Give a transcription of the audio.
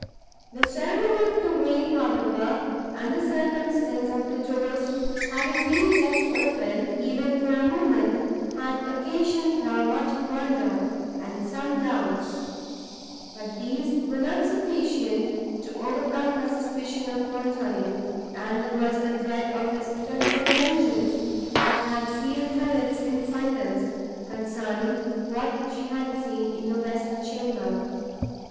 The ceremony of the veil, however, and the circumstance of the doors having been left open, even for a moment, had occasioned her much wonder and some doubts; but these were not sufficient to overcome her suspicion of Montoni; and it was the dread of his terrible vengeance, that had sealed her lips in silence, concerning what she had seen in the west chamber.